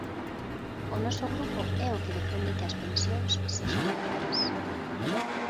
O noso grupo é o que defende que as pensións sexan mellores.